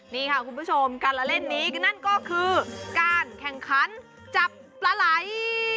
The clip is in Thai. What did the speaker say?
นี่ค่ะคุณผู้ชมการละเล่นนี้นั่นก็คือการแข่งขันจับปลาไหล